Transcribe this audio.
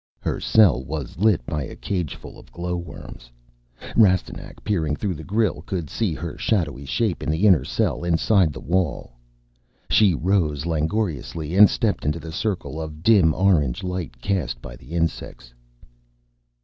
Her cell was lit by a cageful of glowworms. Rastignac, peering through the grille, could see her shadowy shape in the inner cell inside the wall. She rose langorously and stepped into the circle of dim orange light cast by the insects.